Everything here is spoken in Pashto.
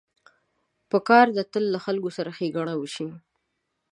پکار ده تل له خلکو سره ښېګڼه وشي.